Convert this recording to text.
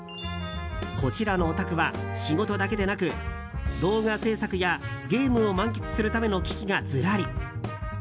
こちらのお宅は仕事だけでなく動画制作やゲームを満喫するための機器がずらり。